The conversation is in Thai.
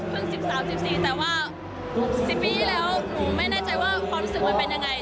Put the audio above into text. พึ่งสิบสามสิบสี่แต่ว่าสิบปีที่แล้วหนูไม่แน่ใจว่าความรู้สึกมันเป็นยังไง